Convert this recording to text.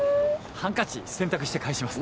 ハンカチ洗濯して返します。